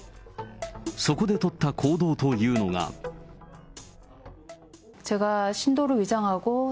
そこで取った行動というのが。